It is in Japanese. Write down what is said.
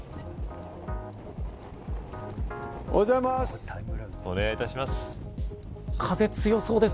おはようございます。